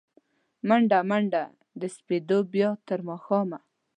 مڼډه، منډه د سپېدو، بیا تر ماښامه